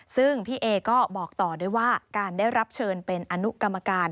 ซึ่งพี่เอก็บอกต่อด้วยว่าการได้รับเชิญเป็นอนุกรรมการ